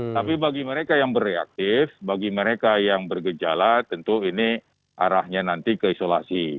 tapi bagi mereka yang bereaktif bagi mereka yang bergejala tentu ini arahnya nanti ke isolasi